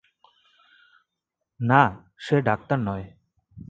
না, সে ডাক্তার নয়।